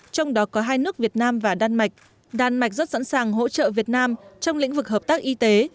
trong đó có hai nước việt nam và đan mạch đan mạch rất sẵn sàng hỗ trợ việt nam trong lĩnh vực hợp tác y tế